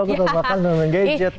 aku kan makan sambil main gejek